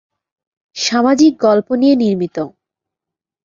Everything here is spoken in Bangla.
সামাজিক গল্প নিয়ে নির্মিত।